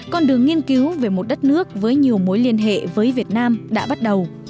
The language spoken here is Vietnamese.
con đường nghiên cứu về một đất nước với nhiều mối liên hệ với việt nam đã bắt đầu